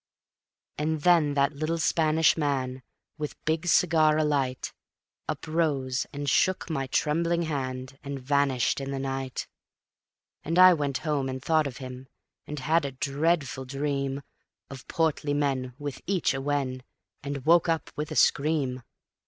And then that little Spanish man, with big cigar alight, Uprose and shook my trembling hand and vanished in the night. And I went home and thought of him and had a dreadful dream Of portly men with each a wen, and woke up with a scream.